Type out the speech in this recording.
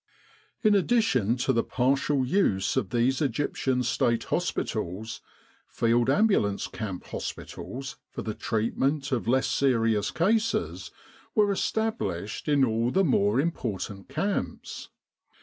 In addition to the partial use of these Egyptian State Hospitals, Field Ambulance Camp Hospitals, for the treatment of less serious cases, were established in all the more important camps.